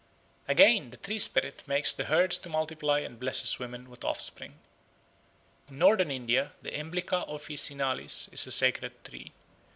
Again, the tree spirit makes the herds to multiply and blesses women with offspring. In Northern India the Emblica officinalis is a sacred tree.